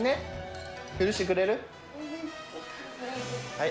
はい。